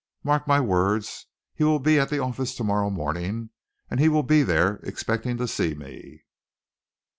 Mark my words, he will be at the office to morrow morning, and he will be there expecting to see me."